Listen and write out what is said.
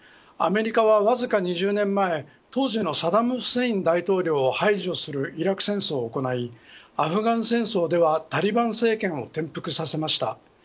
アメリカはわずか２０年前当時のサダム・フセイン大統領を排除するイラク戦争を行いアフガン戦争ではタリバン政権を転覆させました。